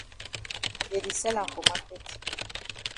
Dey di sell am for maket.